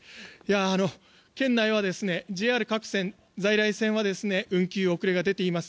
県内はＪＲ各線、在来線は運休、遅れが出ています。